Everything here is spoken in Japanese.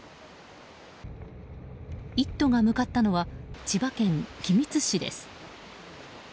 「イット！」が向かったのは千葉県君津市です。